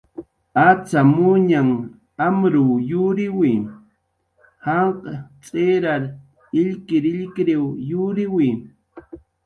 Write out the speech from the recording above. Acxamuñanh amruw yuriwi, janq' tz'irar illkirillkiriw yuriwi